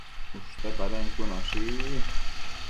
ushte padën cuënoshi